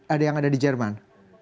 ada yang ada di jerman